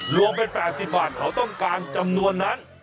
รวมเป็น๘๐บาทเขาต้องการจำนวนนั้น